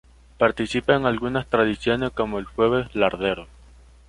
Participa en algunas tradiciones como el Jueves Lardero.